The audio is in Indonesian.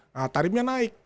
nah tarifnya naik